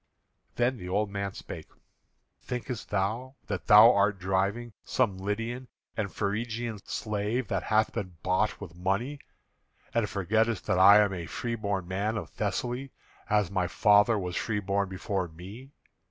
Then the old man spake: "Thinkest thou that thou art driving some Lydian and Phrygian slave that hath been bought with money, and forgettest that I am a freeborn man of Thessaly, as my father was freeborn before me?